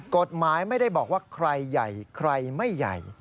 กฎหมายไม่ได้บอกว่าใครใหญ่ใครไม่ใหญ่